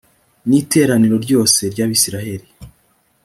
ni iteraniro ryose ry’abisirayeli